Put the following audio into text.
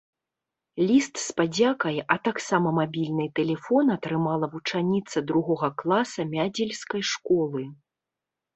Ліст з падзякай, а таксама мабільны тэлефон атрымала вучаніца другога класа мядзельскай школы.